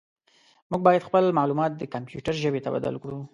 موږ باید خپل معلومات د کمپیوټر ژبې ته بدل کړو.